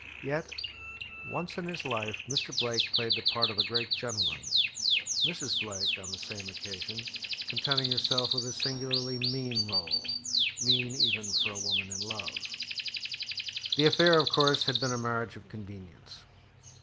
Yet once in his life Mr. Blake played the part of a great gentleman; Mrs. Blake, on the same occasion, contenting herself with a singularly mean role mean even for a woman in love. The affair, of course, had been a marriage of convenience.